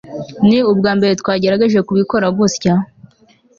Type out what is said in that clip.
ni ubwambere twagerageje kubikora gutya